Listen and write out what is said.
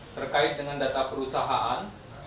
terkait dengan data perusahaan